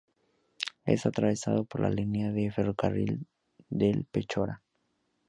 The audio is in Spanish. Es atravesado por la línea de ferrocarril del Pechora.